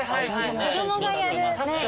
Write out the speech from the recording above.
子供がやる。